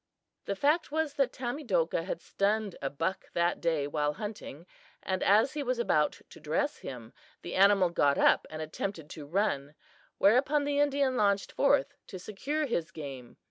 The fact was that Tamedokah had stunned a buck that day while hunting, and as he was about to dress him the animal got up and attempted to run, whereupon the Indian launched forth to secure his game.